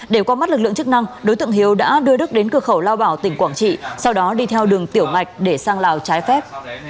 để qua mắt lực lượng chức năng đối tượng hiếu đã đưa đức đến cửa khẩu lao bảo tỉnh quảng trị sau đó đi theo đường tiểu ngạch để sang lào trái phép